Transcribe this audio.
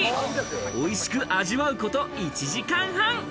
おいしく味わうこと１時間半。